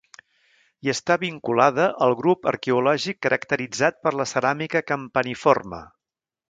I està vinculada al grup arqueològic caracteritzat per la ceràmica campaniforme.